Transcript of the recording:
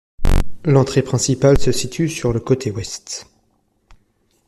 L'entrée principale se situe sur le côté ouest.